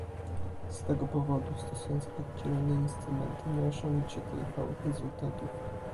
Z tego powodu, stosując oddzielne instrumenty, nie osiągnie się trwałych rezultatów